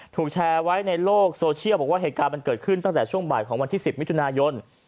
ถูกแชร์ไว้ในโลกโซเชียลบอกว่าเหตุการณ์มันเกิดขึ้นตั้งแต่ช่วงบ่ายของวันที่๑๐มิถุนายน